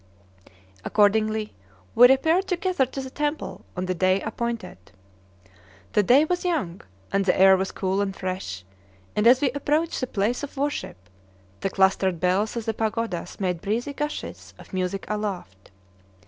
Accordingly we repaired together to the temple on the day appointed. The day was young, and the air was cool and fresh; and as we approached the place of worship, the clustered bells of the pagodas made breezy gushes of music aloft.